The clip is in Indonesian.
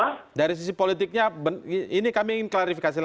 saya ingin bertanya dulu pak ismail